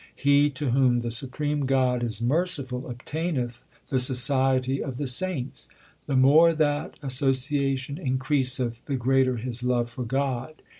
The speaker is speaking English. He to whom the supreme God is merciful obtaineth the society of the saints. The more that association increaseth, the greater his love for God.